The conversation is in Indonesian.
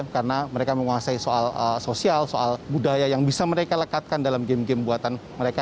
karena mereka menguasai soal sosial soal budaya yang bisa mereka lekatkan dalam game game buatan mereka